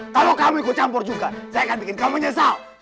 kalau kamu ikut campur juga saya akan bikin kamu menyesal